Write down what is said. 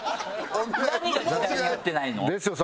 何が時代に合ってないの？